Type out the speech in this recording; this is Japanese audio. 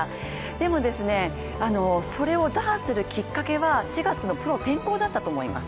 でも、それを打破するきっかけは４月のプロ転向だったと思います。